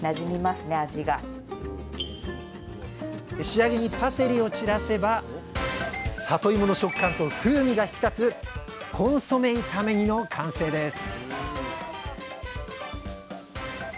仕上げにパセリを散らせばさといもの食感と風味が引き立つコンソメ炒め煮の完成です！